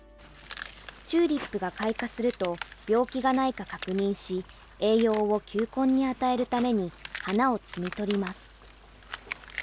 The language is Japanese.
チューリップが開花すると病気がないか確認し、栄養を球根に与えるために、花を摘み取ります。